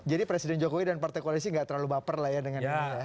jadi presiden jokowi dan partai koalisi gak terlalu baper lah ya dengan ini ya